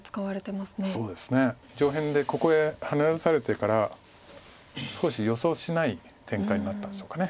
上辺でここへハネ出されてから少し予想しない展開になったんでしょうか。